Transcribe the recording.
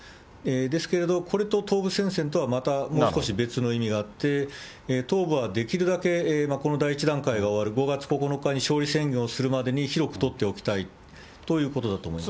ですけれど、これと東部戦線とはまたもう少し別の意味があって、東部はできるだけこの第一段階が終わる５月９日に勝利宣言をするまでに、広くとっておきたいということだと思います。